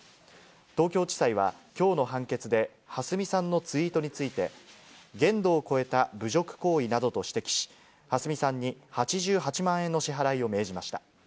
東京地裁はきょうの判決で、はすみさんのツイートについて、限度を超えた侮辱行為などと指摘し、はすみさんに８８万円の支払いを命じました。